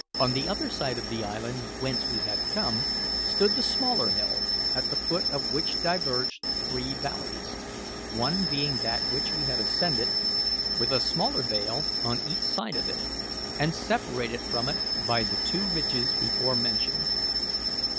On the other side of the island, whence we had come, stood the smaller hill, at the foot of which diverged three valleys one being that which we had ascended, with a smaller vale on each side of it, and separated from it by the two ridges before mentioned.